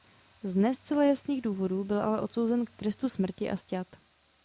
Z ne zcela jasných důvodů byl ale odsouzen k trestu smrti a sťat.